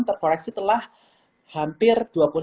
terkoreksi telah hampir